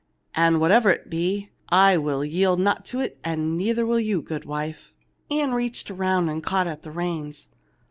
"An' whatever it be, I will yield not to it ; an' neither will you, goodwife." Ann reached around and caught at the reins.